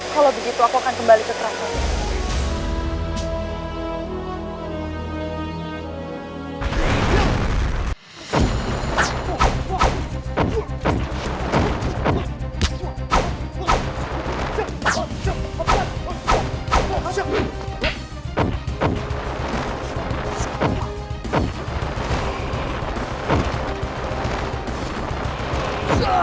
kalau begitu aku akan kembali ke teratun